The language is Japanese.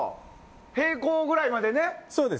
平行ぐらいまでね。